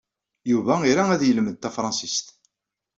Yuba ira ad yelmed tafṛensist.